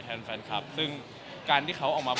คือแฟนคลับเขามีเด็กเยอะด้วย